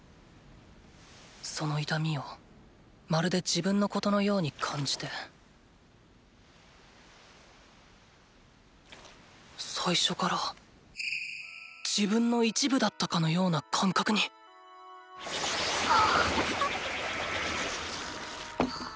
その痛みをまるで自分のことのように感じて最初から自分の一部だったかのような感覚にハ。